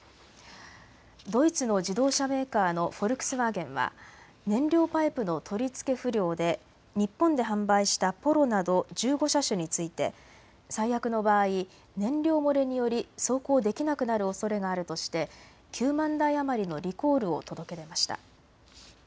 ドイツの自動車メーカーのフォルクスワーゲンは燃料パイプの取り付け不良で日本で販売したポロなど１５車種について最悪の場合、燃料漏れにより走行できなくなるおそれがあるとして９万台余りのリコールを届け出ました。